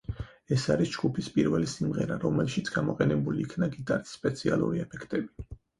ეს არის ჯგუფის პირველი სიმღერა, რომელშიც გამოყენებული იქნა გიტარის სპეციალური ეფექტები.